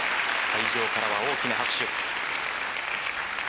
会場からは大きな拍手。